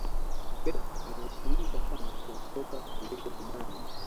Pep anaheshimika sana kwenye soka kuliko Zidane